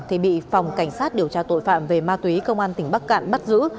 thì bị phòng cảnh sát điều tra tội phạm về ma túy công an tỉnh bắc cạn bắt giữ